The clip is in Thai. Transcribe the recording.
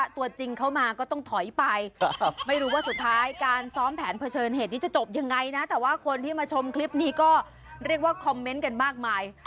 แต่งตัวตั้งครึ่งวันแล้วเข้ามาทีเดียวผมต้องการเลย